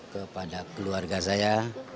kepada keluarga saya